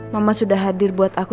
mama sudah hadir buat aku